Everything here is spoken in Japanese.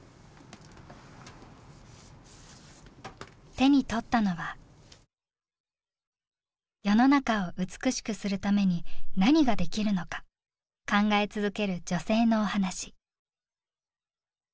手に取ったのは世の中を美しくするために何ができるのか考え続ける女性のお話。